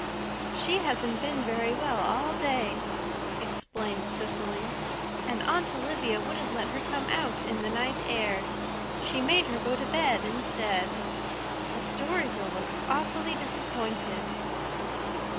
"She hasn't been very well all day," explained Cecily, "and Aunt Olivia wouldn't let her come out in the night air. She made her go to bed instead. The Story Girl was awfully disappointed."